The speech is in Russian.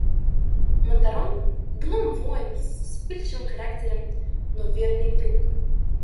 Монтарон, гном-воин с вспыльчивым характером, но верный друг.